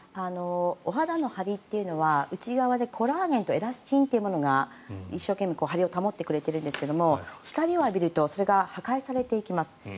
お肌の張りというのは内側でコラーゲンとエラスチンというものが一生懸命張りを保ってくれているんですが光を浴びるとそれが破壊されていきます。